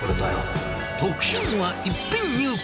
特集は一品入魂！